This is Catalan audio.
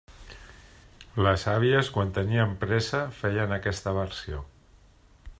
Les àvies, quan tenien pressa, feien aquesta versió.